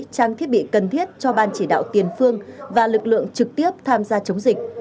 trang thiết bị cần thiết cho ban chỉ đạo tiền phương và lực lượng trực tiếp tham gia chống dịch